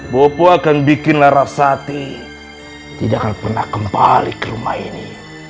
bopo akan bikin narasati tidak akan pernah kembali ke rumah ini